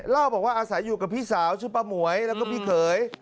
เล่าบอกว่าอาศัยอยู่กับพี่สาวชื่อป้าหมวยแล้วก็พี่เขย